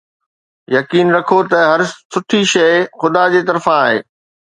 يقين رکو ته هر سٺي شيءِ خدا جي طرفان آهي